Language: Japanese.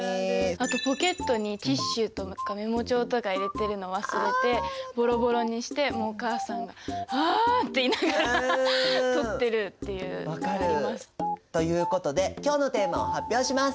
あとポケットにティッシュとかメモ帳とか入れてるの忘れてボロボロにしてもうお母さんが「あ」って言いながら取ってるっていうのがあります。ということで今日のテーマを発表します。